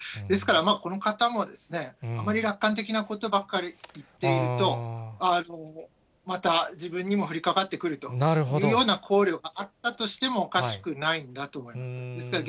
ですから、この方も、あまり楽観的なことばかり言っていると、また自分にも降りかかってくるというような考慮があったとしてもおかしくないんだと思います。